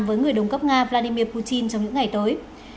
với người đồng cấp nga vladimir putin trong những ngày tới